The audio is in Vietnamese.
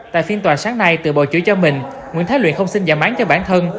tại phiên tòa sáng nay tự bầu chử cho mình nguyễn thái luyện không xin giảm án cho bản thân